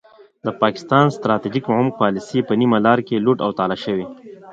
د پاکستان ستراتیژیک عمق پالیسي په نیمه لار کې لوټ او تالا شوې.